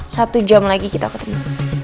satu jam lagi kita ketemu